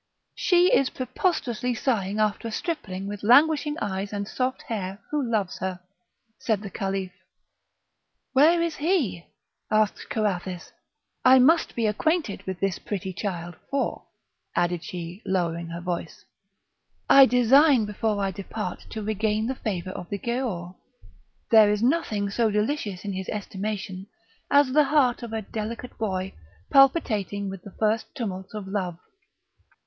"She is preposterously sighing after a stripling with languishing eyes and soft hair, who loves her," said the Caliph. "Where is he?" asked Carathis. "I must be acquainted with this pretty child; for," added she, lowering her voice, "I design before I depart to regain the favour of the Giaour; there is nothing so delicious in his estimation as the heart of a delicate boy, palpitating with the first tumults of love."